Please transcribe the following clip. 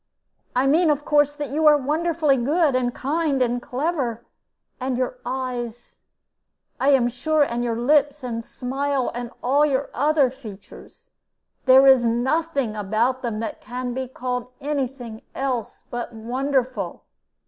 I mean, of course, that you are wonderfully good and kind and clever; and your eyes, I am sure, and your lips and smile, and all your other features there is nothing about them that can be called any thing else but wonderful."